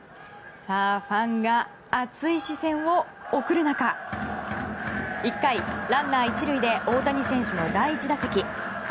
ファンが熱い視線を送る中１回、ランナー１塁で大谷選手の第１打席。